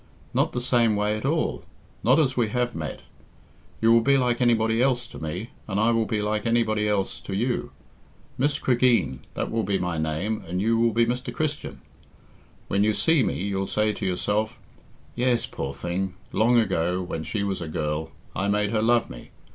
Not the same way at all not as we have met. You will be like anybody else to me, and I will be like anybody else to you. Miss Cregeen, that will be my name and you will be Mr. Christian. When you see me you'll say to yourself, 'Yes, poor thing; long ago, when she was a girl, I made her love me.